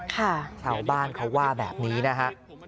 ค่ะชาวบ้านเขาว่าแบบนี้นะครับ